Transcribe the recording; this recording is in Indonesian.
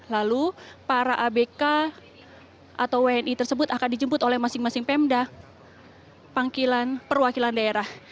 lalu para abk atau wni tersebut akan dijemput oleh masing masing pemda perwakilan daerah